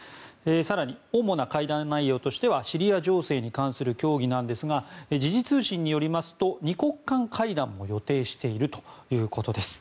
更に、主な会談内容はシリア情勢に関する協議なんですが時事通信によりますと２国間会談も予定しているということです。